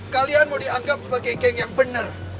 kalian mau dianggap sebagai geng yang benar